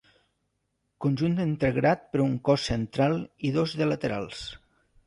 Conjunt integrat per un cos central i dos de laterals.